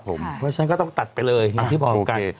เพราะฉะนั้นก็ต้องตัดไปเลยอย่างที่บอกกัน